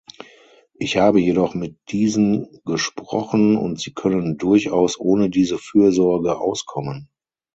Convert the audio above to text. Ich habe jedoch mit diesen gesprochen und sie können durchaus ohne diese Fürsorge auskommen.